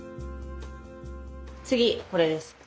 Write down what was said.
次これです。